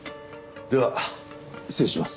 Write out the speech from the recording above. では失礼します。